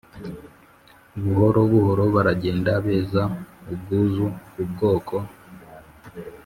buhoro buhoro baragenda, beza, ubwuzu, ubwoko;